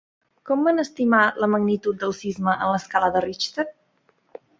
Com van estimar la magnitud del sisme en l'escala de Richter?